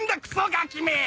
ガキめ！